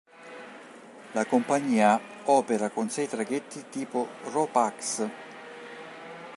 La compagnia opera con sei traghetti tipo Ro-Pax.